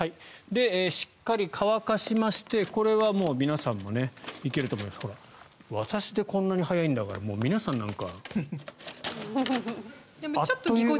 で、しっかり乾かしましてこれは皆さんも行けると思いますが私でこんなに早いんだから皆さんなんかあっという間。